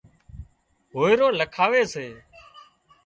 هوئيرو لکاوي سي